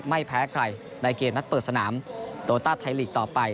ไม่แพ้ใครในเกมนัดเปิดสนามโตต้าไทยลีกต่อไป